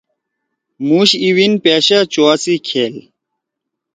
موش اِیوین پیاشہ چواسی کھِیل؟